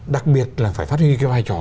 đặc biệt là phải phát huy cái vai trò